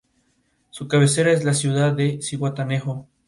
Su cabecera es las ciudad de Zihuatanejo.